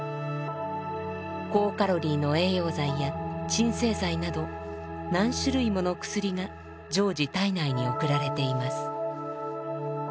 高カロリーの栄養剤や鎮静剤など何種類もの薬が常時体内に送られています。